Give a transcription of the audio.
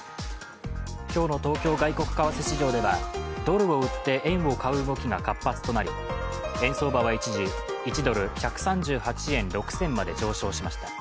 今日の東京外国為替市場ではドルを売って円を買う動きが活発となり円相場は一時１ドル＝１３８円６銭まで上昇しました。